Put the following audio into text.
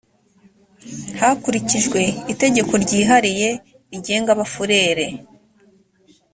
hakurikijwe itegeko ryihariye rigenga abafurere